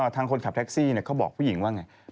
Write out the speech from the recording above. ทางคนขับแท็กซี่เขาบอกผู้หญิงว่าไง